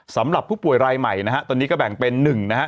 สำหรับผู้ป่วยรายใหม่นะฮะตอนนี้ก็แบ่งเป็นหนึ่งนะฮะ